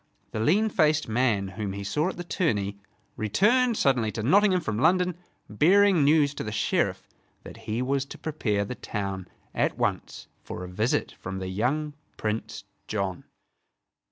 The lean faced man whom he saw at the tourney returned suddenly to Nottingham from London, bearing news to the Sheriff that he was to prepare the town at once for a visit from the young Prince John.